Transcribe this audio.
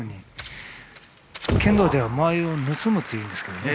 剣道というのは間合いを盗むというんですけどね。